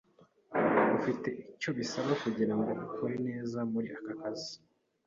Ufite icyo bisaba kugirango ukore neza muri aka kazi.